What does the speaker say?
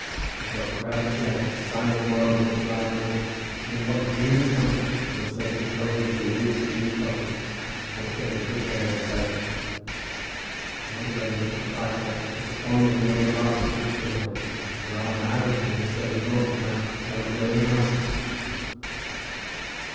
With what gravity could I sign a warrant in its library, and with what dreamy comfort translate an ode of Lewis Glyn Cothi, my tankard of rich ale beside me. I wonder whether the proprietor is fond of the old bard and keeps good ale. Were I an Irishman instead of a Norfolk man I would go in and ask him."